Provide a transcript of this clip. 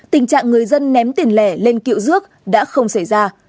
tình trạng người dân ném tiền lẻ lên kiệu rước đã không xảy ra